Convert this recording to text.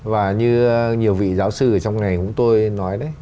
và như nhiều vị giáo sư ở trong này cũng tôi nói đấy